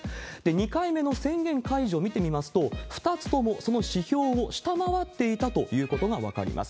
２回目の宣言解除を見てみますと、２つともその指標を下回っていたということが分かります。